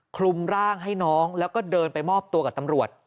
คลุมร่างให้น้องแล้วก็เดินไปมอบตัวกับตำรวจ